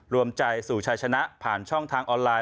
รวมใจสู่ชายชนะผ่านช่องทางออนไลน